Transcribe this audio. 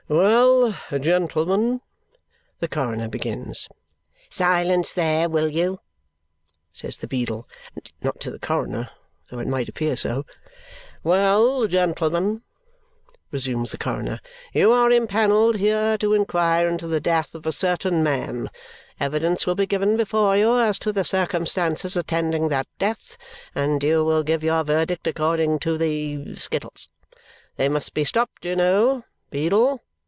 "Well, gentlemen " the coroner begins. "Silence there, will you!" says the beadle. Not to the coroner, though it might appear so. "Well, gentlemen," resumes the coroner. "You are impanelled here to inquire into the death of a certain man. Evidence will be given before you as to the circumstances attending that death, and you will give your verdict according to the skittles; they must be stopped, you know, beadle!